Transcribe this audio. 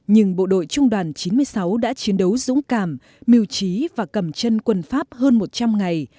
nhưng bộ đội trung đoàn chín mươi sáu đã chiến đấu dũng cảm mưu trí và cầm chân quân pháp hơn một trăm linh ngày